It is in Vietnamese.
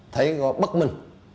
thấy có bất minh